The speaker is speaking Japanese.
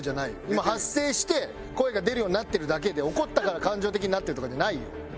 今発声して声が出るようになってるだけで怒ったから感情的になってるとかじゃないよ。